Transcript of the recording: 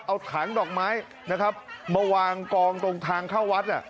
เอาถังดอกไม้นะครับมาวางกองตรงทางเข้าวัด